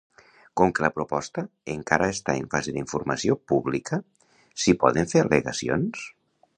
Com que la proposta encara està en fase d'informació pública, s'hi poden fer al·legacions.